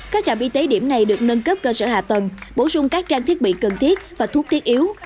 các trạm y tế điểm này được nâng cấp cơ sở hạ tầng bổ sung các trang thiết bị cần thiết và thuốc tiết yếu